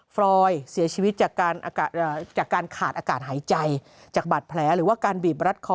ฟรอยเสียชีวิตจากการขาดอากาศหายใจจากบาดแผลหรือว่าการบีบรัดคอ